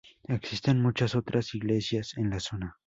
Existen muchas otras iglesias en la zona.